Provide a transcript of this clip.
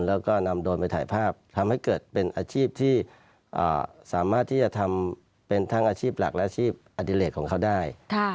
แล้วก็นำโดรนไปถ่ายภาพทำให้เกิดเป็นอาชีพที่สามารถที่จะทำเป็นทั้งอาชีพหลักและอาชีพอดิเลสของเขาได้